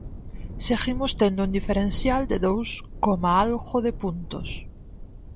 Seguimos tendo un diferencial de dous coma algo de puntos.